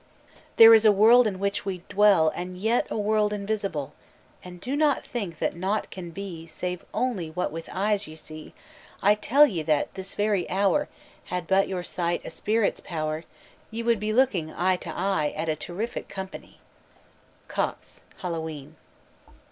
"There is a world in which we dwell, And yet a world invisible. And do not think that naught can be Save only what with eyes ye see: I tell ye that, this very hour, Had but your sight a spirit's power, Ye would be looking, eye to eye, At a terrific company." COXE: _Hallowe'en.